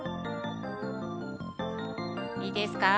いいですか？